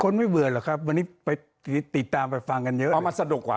ไม่เบื่อหรอกครับวันนี้ไปติดตามไปฟังกันเยอะเอามาสนุกกว่า